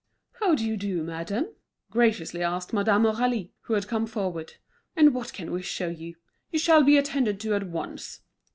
"How do you do, madame?" graciously asked Madame Aurélie, who had come forward. "And what can we show you? You shall be attended to at once."